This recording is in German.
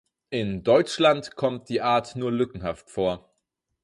In Deutschland kommt die Art nur lückenhaft vor.